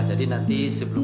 jadi nanti sebelumnya